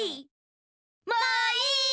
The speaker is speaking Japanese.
もういいよ！